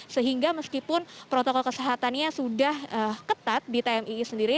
sehingga meskipun protokol kesehatannya sudah ketat di tmii sendiri